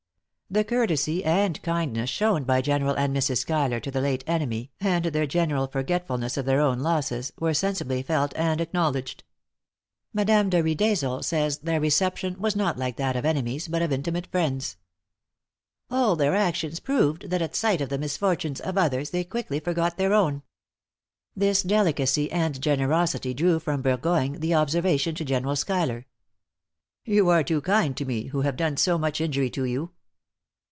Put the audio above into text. The courtesy and kindness shown by General and Mrs. Schuyler to the late enemy, and their generous forgetfulness of their own losses, were sensibly felt and acknowledged. Madame de Riedesel says their reception was not like that of enemies, but of intimate friends. "All their actions proved, that at sight of the misfortunes of others, they quickly forgot their own." This delicacy and generosity drew from Burgoyne the observation to General Schuyler, "You are too kind to me, who have done so much injury to you."